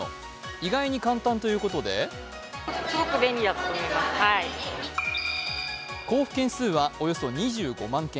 意外に簡単ということで交付件数とおよそ２５万件。